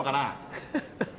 ハハハハ。